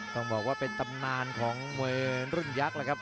ต้องบอกว่าเป็นตำนานของมวยรุ่นยักษ์แล้วครับ